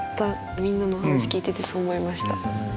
みんなの話聞いててそう思いました。